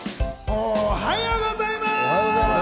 おはようございます！